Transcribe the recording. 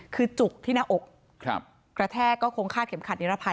คือจุกที่หน้าอกกระแทกก็คงฆ่าเข็มขัดนิรภัย